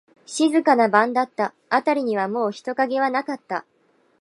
静かな晩だった。あたりにはもう人影はなかった。